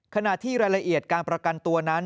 ขณะที่รายละเอียดการประกันตัวนั้น